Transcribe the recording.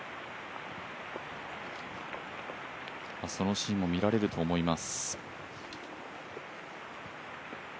そのシーンも見られると思います。